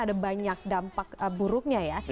ada banyak dampak buruknya ya